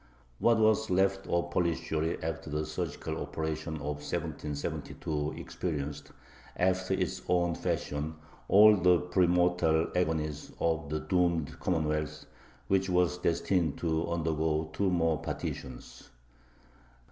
What was left of Polish Jewry after the surgical operation of 1772 experienced, after its own fashion, all the pre mortal agonies of the doomed commonwealth, which was destined to undergo two more partitions.